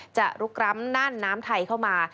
จะรุกร้ำนั้นน้ำไทเข้ามา